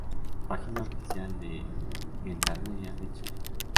Página oficial de Gendarmería de Chile